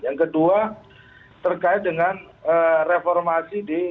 yang kedua terkait dengan reformasi di